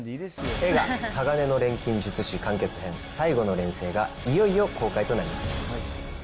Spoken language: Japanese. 映画、鋼の錬金術師・完結編・最後の錬成がいよいよ公開となります。